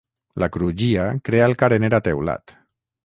La crugia crea el carener a teulat.